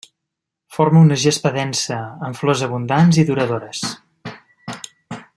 Forma una gespa densa, amb flors abundants i duradores.